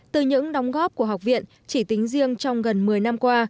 từ những đóng góp của học viện chỉ tính riêng trong gần một mươi năm qua